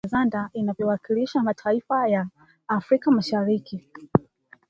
Mwanamke kama jazanda inayowakilisha mataifa ya Afrika Mashariki